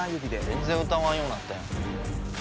ぜんぜん歌わんようなったやん。